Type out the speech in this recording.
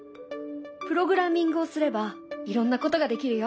プログラミングをすればいろんなことができるよ。